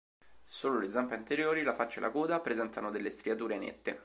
Solo le zampe anteriori, la faccia e la coda presentano delle striature nette.